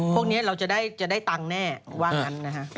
พวกนี้เราจะได้ตังค์แน่ว่างั้นนะฮะ